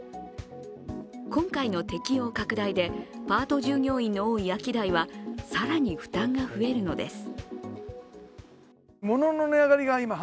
今回の適用拡大で、パート従業員の多いアキダイは更に負担が増えるのです。